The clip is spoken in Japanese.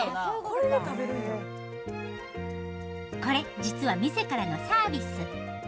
これ実は店からのサービス。